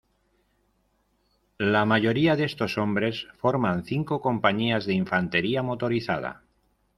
La mayoría de estos hombres forman cinco compañías de infantería motorizada.